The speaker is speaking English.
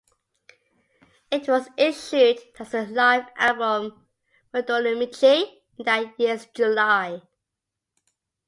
It was issued as the live album "Modorimichi" in that year's July.